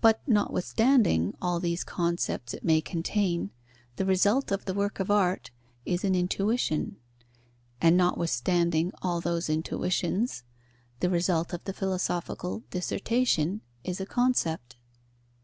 But, notwithstanding all these concepts it may contain, the result of the work of art is an intuition; and notwithstanding all those intuitions, the result of the philosophical dissertation is a concept.